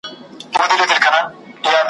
دوو لا نورو ګرېوانونه وه څیرلي `